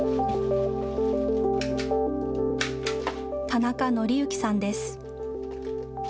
田中則之さんです。